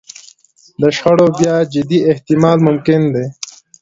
د شخړو بیا جدي احتمال ممکن دی.